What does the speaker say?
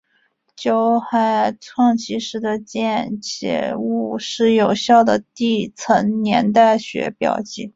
酒海撞击时的溅射物是有效的地层年代学标记。